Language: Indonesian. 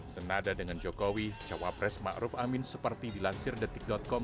senada dengan jokowi jawa press ma'ruf amin seperti dilansir detik com